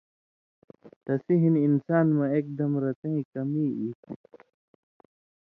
تسی ہِن انسان مہ اېکدم رتَیں کمی ای تھی۔